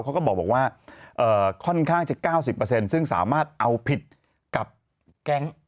เขาก็บอกว่าค่อนข้างจะ๙๐ซึ่งสามารถเอาผิดกับแก๊ง